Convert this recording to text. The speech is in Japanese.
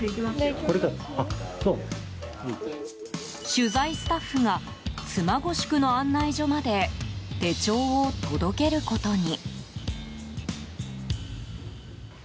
取材スタッフが妻籠宿の案内所まで手帳を届けることに。